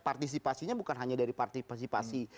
partisipasinya bukan hanya dari partisipasi